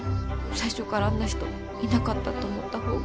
最初からあんな人いなかったと思った方が。